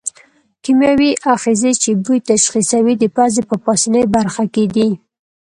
کیمیاوي آخذې چې بوی تشخیصوي د پزې په پاسنۍ برخه کې دي.